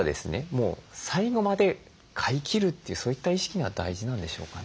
もう最後まで飼いきるというそういった意識が大事なんでしょうかね。